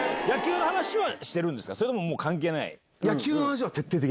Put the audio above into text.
それとも関係ない？